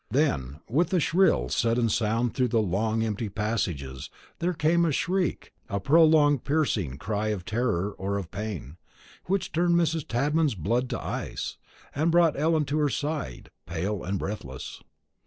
Then, with a shrill sudden sound through the long empty passages, there came a shriek, a prolonged piercing cry of terror or of pain, which turned Mrs. Tadman's blood to ice, and brought Ellen to her side, pale and breathless.